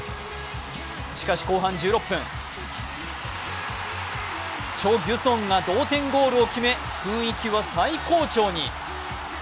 しかし、後半１６分、チョ・ギュソンが同点ゴールを決め、雰囲気は最高潮に。